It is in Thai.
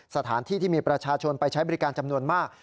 สถานที่ที่มีประชาชนไปใช้บริการจำนวนมาก